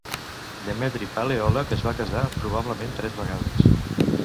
Demetri Paleòleg es va casar probablement tres vegades.